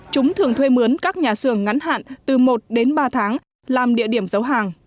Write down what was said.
chúng thường thuê mướn các nhà xưởng ngắn hạn từ một đến ba tháng làm địa điểm giấu hàng